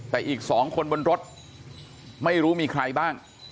แต่อีก๒คนบนรถไม่รู้มีใครบ้าง